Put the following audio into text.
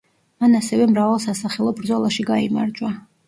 მან ასევე მრავალ სასახელო ბრძოლაში გაიმარჯვა.